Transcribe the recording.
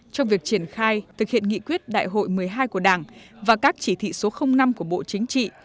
trong việc triển khai thực hiện nghị quyết đại hội một mươi hai của đảng và các chỉ thị số năm của bộ chính trị